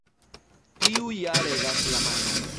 Tiu ja regas la manon.